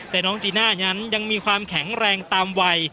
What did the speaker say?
แต่น้องจีน่านั้นยังมีความแข็งแรงตามวัย